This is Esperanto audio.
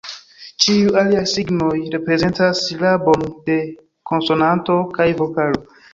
Ĉiuj aliaj signoj, reprezentas silabon de konsonanto kaj vokalo.